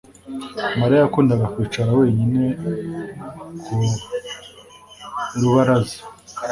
Mariya yakundaga kwicara wenyine ku rubaraza